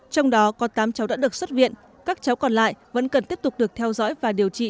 trong đó có tám cháu đã được xuất viện các cháu còn lại vẫn cần tiếp tục được theo dõi và điều trị